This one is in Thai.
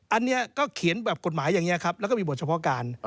อันนี้ก็เขียนแบบกฎหมายอย่างนี้ครับแล้วก็มีบทเฉพาะการ